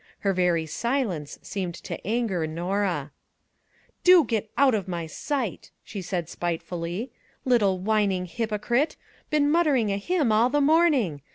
Her very, silence seemed to anger Norah. " Do get out of my sight !" she said spite fully. "Little whining hypocrite! been mut tering a hymn all the morning